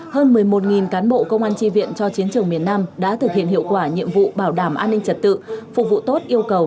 hơn một mươi một cán bộ công an tri viện cho chiến trường miền nam đã thực hiện hiệu quả nhiệm vụ bảo đảm an ninh trật tự phục vụ tốt yêu cầu